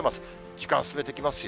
時間進めていきますよ。